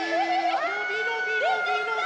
のびのびのびのび。